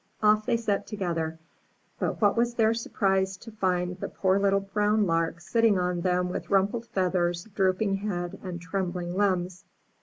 Off they set together; but what was their surprise to find the poor little brown Lark sitting on them with rumpled feathers, drooping head, and trembling limbs.